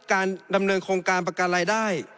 การดำเนินโครงการประกันรายได้